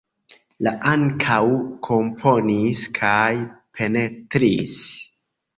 Li ankaŭ komponis kaj pentris.